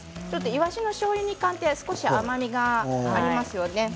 いわしのしょうゆ煮缶は少し甘みがありますよね。